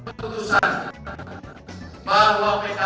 membuat keputusan bahwa pks akan diluar pemerintahan